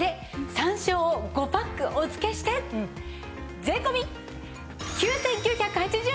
山椒を５パックお付けして税込９９８０円です！